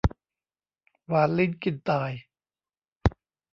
หวานลิ้นกินตาย